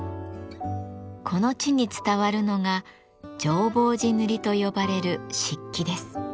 この地に伝わるのが浄法寺塗と呼ばれる漆器です。